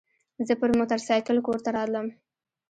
زه پر موترسایکل کور ته رالم.